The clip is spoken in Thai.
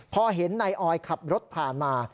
พอเห็นนายออยขับรถผ่านมา